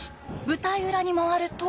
舞台裏に回ると。